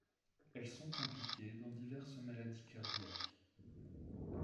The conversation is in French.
Elles sont impliquées dans diverses maladies cardiaques.